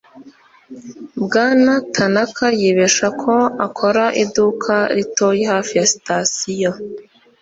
Bwana Tanaka yibeshaho akora iduka ritoyi hafi ya sitasiyo.